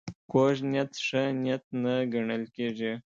کوږ نیت ښه نیت نه ګڼل کېږي